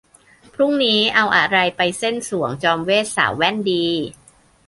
พรุ่งนี้เอาอะไรไปเซ่นสรวงจอมเวทย์สาวแว่นดี ?